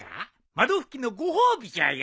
窓拭きのご褒美じゃよ。